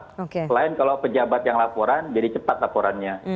selain kalau pejabat yang laporan jadi cepat laporannya